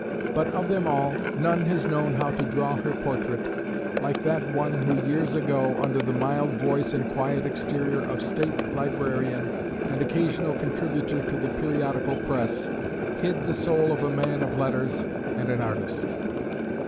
But of them all, none has known how to draw her portrait like that one who years ago, under the mild voice and quiet exterior of State Librarian and occasional contributor to the Periodical Press, hid the soul of a man of letters and an artist.